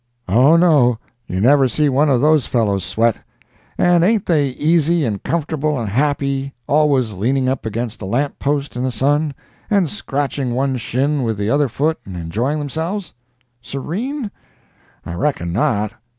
Oh, no—you never see one of those fellows sweat. And ain't they easy and comfortable and happy—always leaning up against a lamp post in the sun, and scratching one shin with the other foot and enjoying themselves? Serene?—I reckon not.